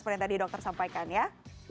seperti yang tadi dokter sampaikan ya